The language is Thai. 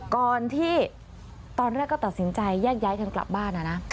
ก่อนที่ตอนแรกก็ตัดสินใจแยกย้ายกันกลับบ้านนะ